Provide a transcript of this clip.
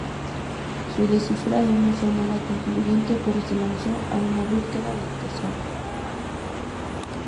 Su descifrado no fue nada concluyente, pero se lanzó a una búsqueda del tesoro.